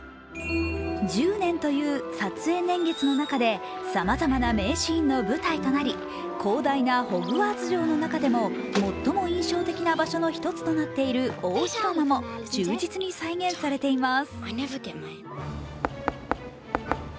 １０年という撮影年月の中でさまざまな名シーンの舞台となり広大なホグワーツ城の中でも最も印象的な場所の一つとなっている大広間も忠実に再現されています。